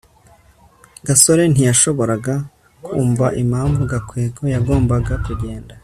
gasore ntiyashoboraga kumva impamvu gakwego yagombaga kugenda